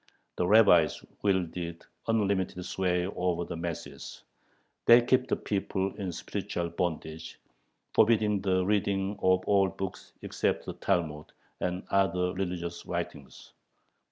The rabbis wield unlimited sway over the masses; they keep the people in spiritual bondage, "forbidding the reading of all books except the Talmud" and other religious writings.